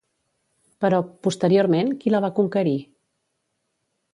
Però, posteriorment, qui la va conquerir?